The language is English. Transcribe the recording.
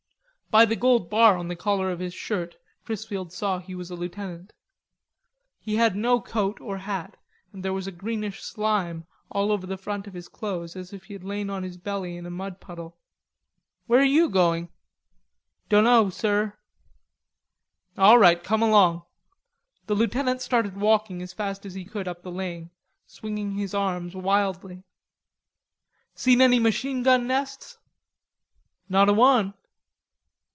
By a gold bar on the collar of his shirt Chrisfield saw that he was a lieutenant. He had no coat or hat and there was greenish slime all over the front of his clothes as if he had lain on his belly in a mud puddle. "Where you going?" "Dunno, sir." "All right, come along." The lieutenant started walking as fast as he could up the lane, swinging his arms wildly. "Seen any machine gun nests?" "Not a one."